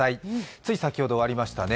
つい先ほど終わりましたね。